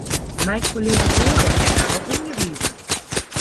Mein Kollege Bowe hat darauf hingewiesen.